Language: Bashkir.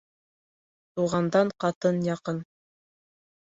Туғандан ҡатын яҡын.